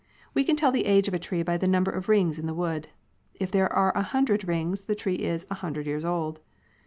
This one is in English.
We can tell the age of a tree by the number of rings in its wood. If there are a hundred rings, the tree is a hundred years old.